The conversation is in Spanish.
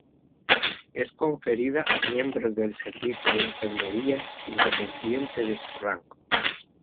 Es conferida a miembros del servicio de enfermería, independientemente de su rango.